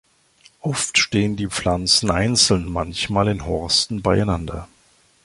Oft stehen die Pflanzen einzeln, manchmal in Horsten beieinander.